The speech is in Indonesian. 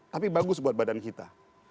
tapi bagus buat badan kita